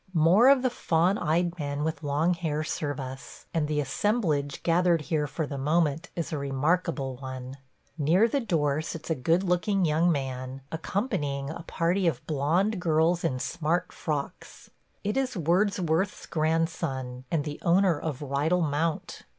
More of the fawn eyed men with long hair serve us, and the assemblage gathered here for the moment is a remarkable one. Near the door sits a good looking young man, accompanying a party of blond girls in smart frocks. It is Wordsworth's grandson, and the owner of Rydal Mount.